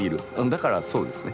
だからそうですね。